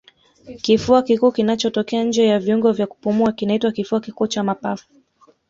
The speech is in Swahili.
Kifua kikuu kinachotokea nje ya viungo vya kupumua kinaitwa kifua kikuu cha mapafu